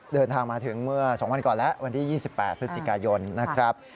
เดินทางมาถึงเมื่อ๒วันก่อนแล้ววันที่๒๘พฤศจิกายนนะครับ